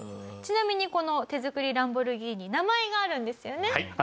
ちなみにこの手作りランボルギーニ名前があるんですよね？